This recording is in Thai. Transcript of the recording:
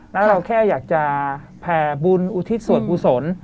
แล้วเราแค่อยากจะแผ่บุญอุทิศส่วนกุศล